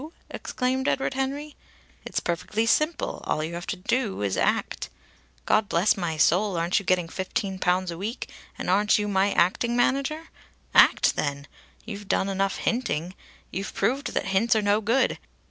exclaimed Edward Henry. "It's perfectly simple. All you have to do is to act. God bless my soul, aren't you getting fifteen pounds a week, and aren't you my acting manager? Act, then! You've done enough hinting. You've proved that hints are no good.